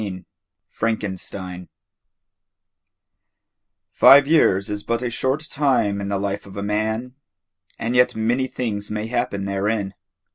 XIV FRANKENSTEIN Five years is but a short time in the life of a man, and yet many things may happen therein.